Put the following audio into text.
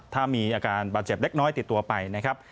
ถ้ามีอาการบาดเจ็บเล็กน้อยติดตัวไปนะครับ